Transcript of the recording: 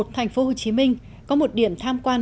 thành phố hồ chí minh có một điểm tham quan